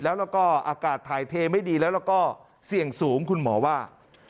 แล้วก็อากาศถ่ายเทไม่ดีแล้วแล้วก็เสี่ยงสูงคุณหมอว่า